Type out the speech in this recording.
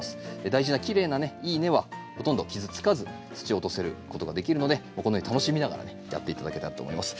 大事なきれいなねいい根はほとんど傷つかず土を落とせることができるのでこのように楽しみながらねやって頂けたらと思います。